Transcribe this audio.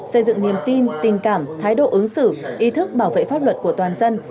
xây dựng niềm tin tình cảm thái độ ứng xử ý thức bảo vệ pháp luật của toàn dân